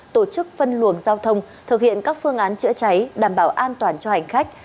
tổ chức phân luồng giao thông thực hiện các phương án chữa cháy đảm bảo an toàn cho hành khách